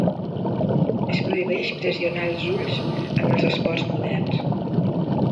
Es prohibeix pressionar els ulls en els esports moderns.